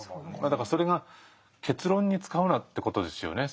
だからそれが結論に使うなってことですよね。